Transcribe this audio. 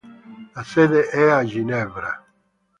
La sede è a Ginevra.